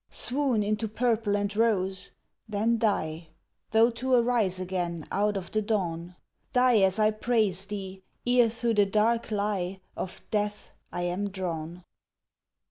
Swoon into purple and rose, then die: Tho' to arise again out of the dawn: Die as I praise thee, ere thro' the Dark Lie Of death I am drawn!